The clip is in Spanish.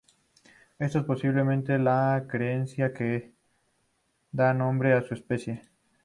Esto es posiblemente la creencia que da nombre a su especie.